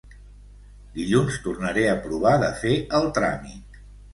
Dilluns tornaré a provar de fer el tràmit